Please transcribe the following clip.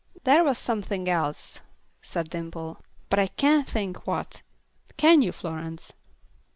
"There was something else," said Dimple, "but I can't think what. Can you, Florence?"